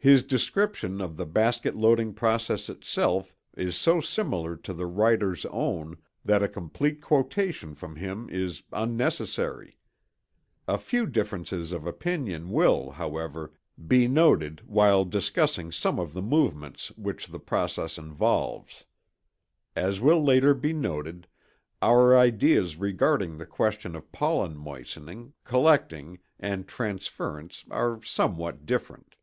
His description of the basket loading process itself is so similar to the writer's own that a complete quotation from him is unnecessary. A few differences of opinion will, however, be noted while discussing some of the movements which the process involves. As will later be noted, our ideas regarding the question of pollen moistening, collecting, and transference are somewhat different.